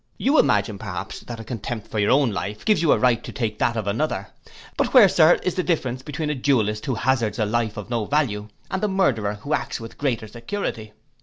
You imagine, perhaps, that a contempt for your own life, gives you a right to take that of another: but where, Sir, is the difference between a duelist who hazards a life of no value, and the murderer who acts with greater security?